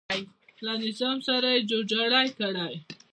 له نظام سره یې جوړ جاړی کړی.